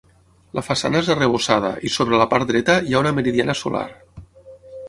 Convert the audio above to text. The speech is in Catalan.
La façana és arrebossada i sobre la part dreta hi ha una meridiana solar.